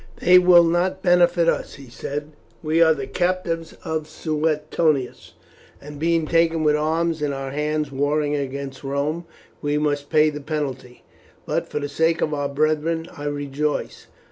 "They will not benefit us," he said. "We are the captives of Suetonius, and being taken with arms in our hands warring against Rome, we must pay the penalty; but, for the sake of our brethren, I rejoice.